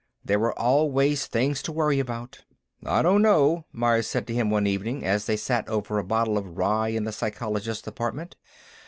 There were always things to worry about. "I don't know," Myers said to him, one evening, as they sat over a bottle of rye in the psychologist's apartment.